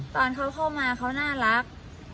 ตอนเข้าตอนต่อมาเขาน่ารัก